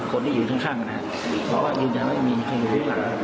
คนที่อยู่ข้างนะฮะเพราะว่ายืนยันว่ามีใครอยู่ข้างหลัง